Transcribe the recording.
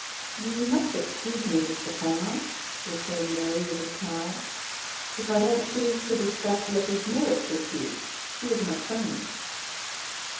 "You must excuse me, Mr. Helmer," returned Mary, with a smile, "if I don't choose to discuss Letty's merits with you; she is my friend."